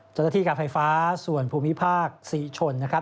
จัดที่การไฟฟ้าส่วนภูมิภาคสีชนนะครับ